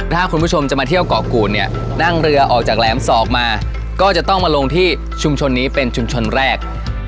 ถ้าคุณผู้ชมจะมาเที่ยวเกาะกูดเนี่ยนั่งเรือออกจากแหลมศอกมาก็จะต้องมาลงที่ชุมชนนี้เป็นชุมชนแรก